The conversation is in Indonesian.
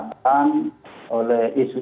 bahwa anak kita telah menjelim ibu putri